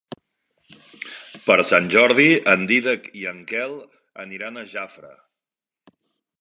Per Sant Jordi en Dídac i en Quel aniran a Jafre.